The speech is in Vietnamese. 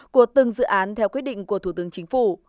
của từng dự án theo quyết định của thủ tướng chính phủ